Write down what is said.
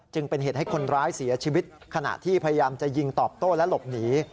เป็นเหตุให้คนร้ายเสียชีวิตขณะที่พยายามจะยิงตอบโต้และหลบหนี